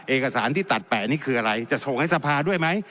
เอกสารที่ตัดแปะนี่คืออะไรจะส่งให้สภาด้วยไหม